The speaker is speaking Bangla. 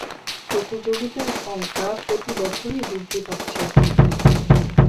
প্রতিযোগিতার সংখ্যা প্রতি বছরই বৃদ্ধি পাচ্ছে।